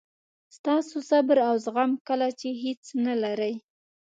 ستاسو صبر او زغم کله چې هیڅ نه لرئ.